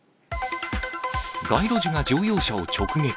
街路樹が乗用車を直撃。